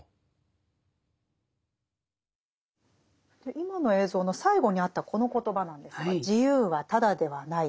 今の映像の最後にあったこの言葉なんですが「自由はただではない」。